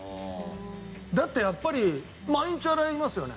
だってやっぱり毎日洗いますよね？